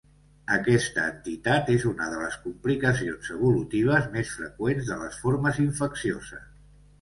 Aquesta entitat és una de les complicacions evolutives més freqüents de les formes infeccioses.